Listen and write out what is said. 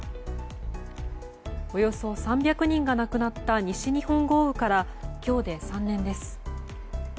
およそ３００人が亡くなった西日本豪雨から今日で３年です。